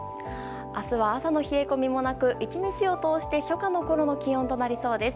明日は朝の冷え込みもなく１日を通して初夏のころの気温となりそうです。